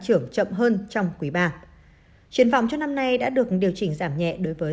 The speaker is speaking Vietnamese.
trưởng chậm hơn trong quý ba triển vọng cho năm nay đã được điều chỉnh giảm nhẹ đối với